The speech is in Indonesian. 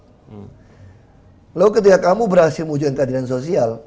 lo ketika kamu berhasil mewujudkan keadilan sosial